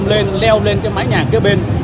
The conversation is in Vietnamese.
leo lên cái mái nhà kia bên